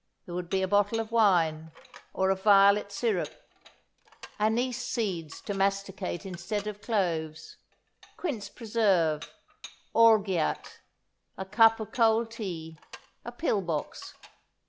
There would be a bottle of wine or of violet syrup; anise seeds to masticate instead of cloves; quince preserve; orgeat; a cup of cold tea; a pill box.